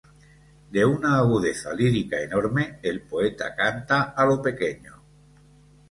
De una agudeza lírica enorme, el poeta canta a lo pequeño.